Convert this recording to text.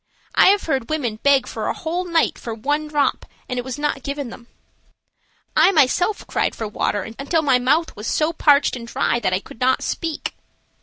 I have heard women beg for a whole night for one drop and it was not given them. I myself cried for water until my mouth was so parched and dry that I could not speak."